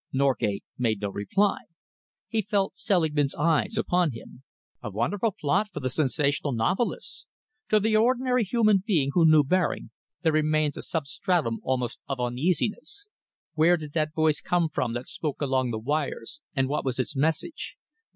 Norgate made no reply. He felt Selingman's eyes upon him. "A wonderful plot for the sensational novelist. To the ordinary human being who knew Baring, there remains a substratum almost of uneasiness. Where did that voice come from that spoke along the wires, and what was its message?